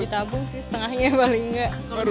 ditabung sih setengahnya paling enggak